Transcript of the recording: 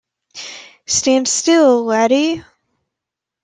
Stand still, laddie!